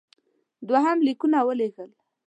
دوهم لیکونه ولېږل.